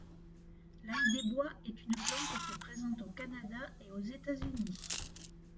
L'ail des bois est une plante qui est présente au Canada et aux États-Unis.